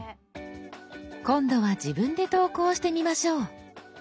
今度は自分で投稿してみましょう。